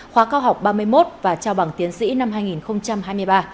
khóa cao học ba mươi một và trao bằng tiến sĩ năm hai nghìn hai mươi ba